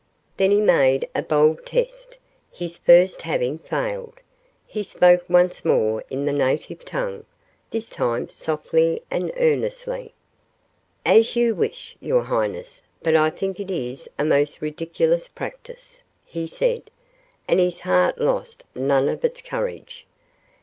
Then he made a bold test, his first having failed. He spoke once more in the native tongue, this time softly and earnestly. "As you wish, your highness, but I think it is a most ridiculous practice," he said, and his heart lost none of its courage.